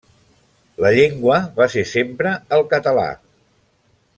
La llengua va ser sempre el català.